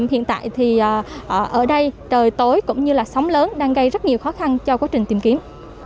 hiện tại thì ở đây trời tối cũng như là sóng lớn đang gây rất nhiều khó khăn cho quá trình tìm kiếm